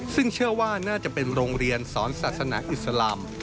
ซึ่งเชื่อว่าน่าจะเป็นโรงเรียนสอนศาสนาอิสลาม